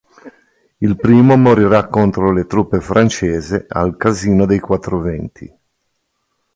Il primo morirà contro le truppe francesi al Casino dei Quattro Venti.